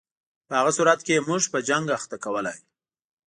په هغه صورت کې یې موږ په جنګ اخته کولای.